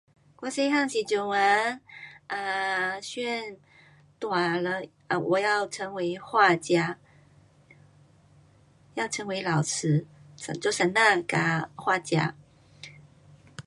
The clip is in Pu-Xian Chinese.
我小个时阵 um um 想大了 um 我要成为画家。要成为老师。想做老师跟画家。